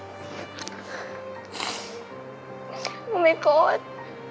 โอ้มายก็อด